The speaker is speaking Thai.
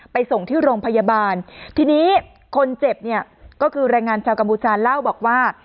ส่งที่โรงพยาบาลทีนี้คนเจ็บเนี่ยก็คือแรงงานชาวกัมพูชาเล่าบอกว่า